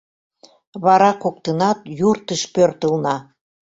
Вара коктынат юртыш пӧртылна.